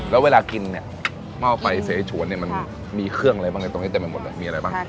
แล้วเวลากินเนี่ยหม้อไฟเสฉวนเนี่ยมันมีเครื่องอะไรบ้างในตรงนี้เต็มไปหมดเลยมีอะไรบ้าง